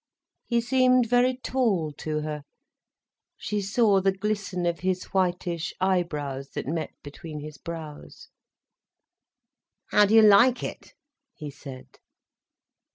He seemed very tall to her, she saw the glisten of his whitish eyebrows, that met between his brows. "How do you like it?" he said.